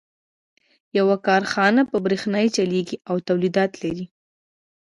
يوه کارخانه په برېښنا چلېږي او توليدات لري.